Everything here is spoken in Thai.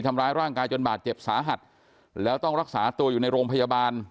ทำร้ายร่างกายจนบาดเจ็บสาหัสแล้วต้องรักษาตัวอยู่ในโรงพยาบาล